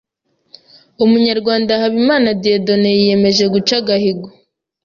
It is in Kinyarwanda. Umunyarwanda Habimana Dieudonne yiyemeje guca agahigo